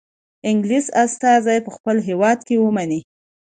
انګلیس استازی په خپل هیواد کې ومنئ.